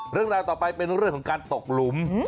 เรื่องราวต่อไปเป็นเรื่องของการตกหลุม